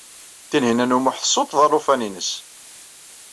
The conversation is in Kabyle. Tinhinan u Muḥ tessuṭṭeḍ alufan-nnes.